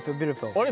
あれ？